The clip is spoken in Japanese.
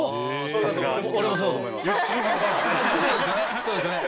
そうですよね？